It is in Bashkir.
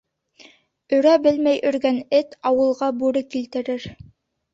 Өрә белмәй өргән эт ауылға бүре килтерер.